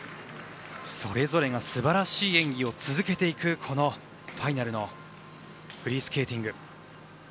それぞれが素晴らしい演技を続けていくこのファイナルのフリースケーティング。